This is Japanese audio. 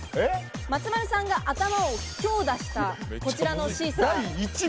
松丸さんが頭を強打したこちらのシーサー。